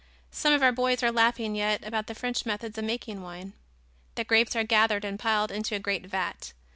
Some of our boys are laughing yet about the French methods of making wine. The grapes are gathered and piled into a great vat.